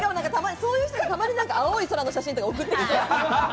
そういう人がたまに青い空の写真とか送ってくる。